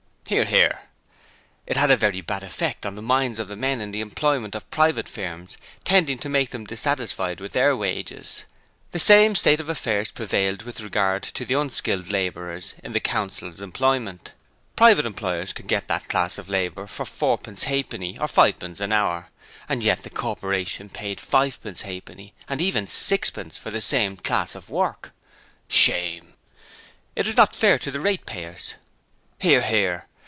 (Hear, hear.) It had a very bad effect on the minds of the men in the employment of private firms, tending to make them dissatisfied with their wages. The same state of affairs prevailed with regard to the unskilled labourers in the Council's employment. Private employers could get that class of labour for fourpence halfpenny or fivepence an hour, and yet the corporation paid fivepence halfpenny and even sixpence for the same class of work. (Shame.) It was not fair to the ratepayers. (Hear, hear.)